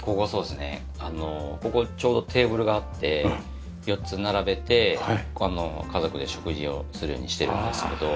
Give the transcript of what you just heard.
ここちょうどテーブルがあって４つ並べて家族で食事をするようにしているんですけど。